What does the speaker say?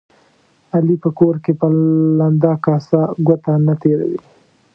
علي په کور کې په لنده کاسه ګوته نه تېروي.